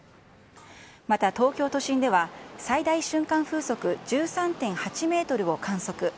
また、東京都心では、最大瞬間風速１３．８メートルを観測。